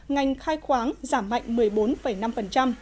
ngành khai khoáng giảm mạnh một mươi bốn năm